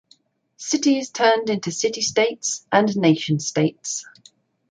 Cities turned into city-states and nation-states.